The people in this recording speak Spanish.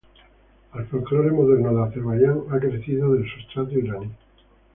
El folclore moderno de Azerbaiyán ha crecido del sustrato iraní.